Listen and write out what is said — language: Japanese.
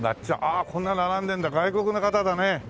あこんな並んでんだ外国の方だね。